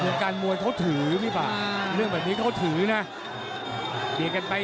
เรื่องการมวยเขาถือนิดเดียวเรื่องแบบนี้เขาถือนี่นะ